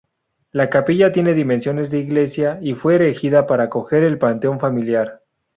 La capilla tiene dimensiones de iglesia y fue erigida para acoger el panteón familiar.